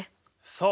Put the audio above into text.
そう！